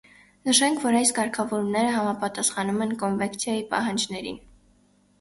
Նշենք, որ այս կարգավորումները համապատասխանում են Կոնվենցիայի պահանջներին։